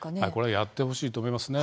やってほしいと思いますね。